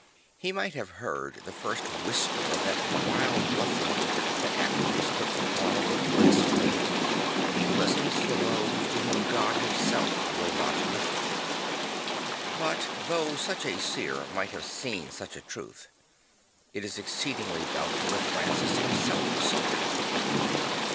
He might have heard the first whisper of that wild blessing tha t afterwards took the form of a blasphemy; II He listens to those to whom God himself \vill not listen." But though such a seer might have seen such a truth, it is exceedingly doubtful if Francis himself saw it.